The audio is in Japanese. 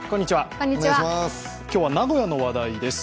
今日は名古屋の話題です。